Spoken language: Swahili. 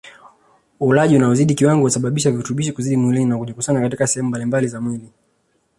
Ulaji unaozidi kiwango husababisha virutubishi kuzidi mwilini na kujikusanya katika sehemu mbalimbali za mwili